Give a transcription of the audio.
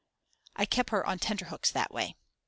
(I kept her on tenter hooks that way.)